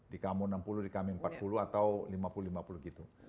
di kamu enam puluh di kami empat puluh atau lima puluh lima puluh gitu